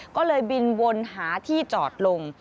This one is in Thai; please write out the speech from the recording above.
ก็เลยบินวนหาที่จอดลง